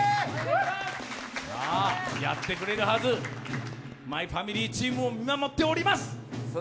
やってくれるはず「マイファミリー」チームも見守ってます。